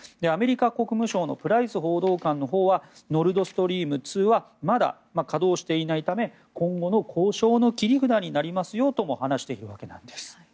アメリカ国務省のプライス報道官のほうはノルドストリーム２はまだ稼働していないため今後の交渉の切り札になりますよと話しているわけなんです。